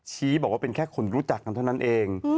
ชี้บอกว่าเป็นแค่คนรู้จักกันเท่านั้นเอง